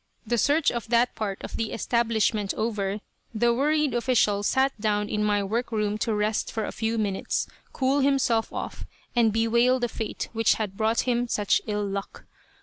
The search of that part of the establishment over, the worried official sat down in my work room to rest for a few minutes, cool himself off, and bewail the fate which had brought him such ill luck.